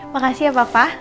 makasih ya papa